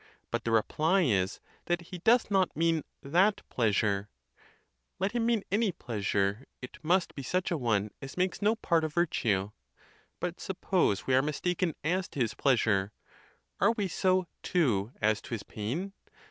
But the reply is, that he doth not mean that pleasure: let him mean any pleasure, it must be such a one as makes no part of virtue. But suppose we are mistaken as to his pleasure; are we so, too, as to his pain?